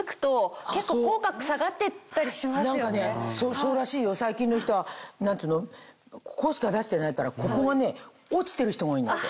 そうらしいよ最近の人はここしか出してないからここが落ちてる人が多いんだって。